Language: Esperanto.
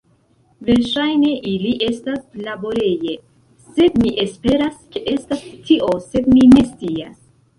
Verŝajne ili estas laboreje, sed mi esperas ke estas tio, sed mi ne scias.